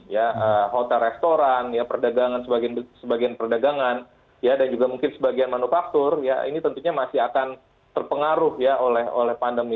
ya hotel restoran ya perdagangan sebagian sebagian perdagangan ya dan juga mungkin sebagian manufaktur ya ini tentunya masih akan terpengaruh ya oleh pandemi